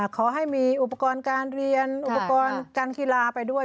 ขอให้มีอุปกรณ์การเรียนอุปกรณ์การกีฬาไปด้วย